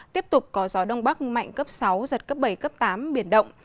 tiếp tục có gió đông bắc mạnh cấp sáu giật cấp bảy cấp tám biển động